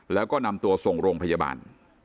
แล้วก็นำตัวส่งโรงพยาบาล